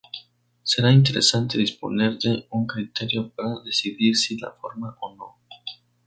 Será interesante disponer de un criterio para decidir si la forman o no.